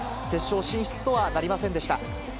決勝進出とはなりませんでした。